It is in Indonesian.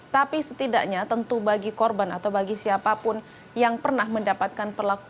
tapi setidaknya tentu bagi korban atau bagi siapapun yang pernah mendapatkan perlakuan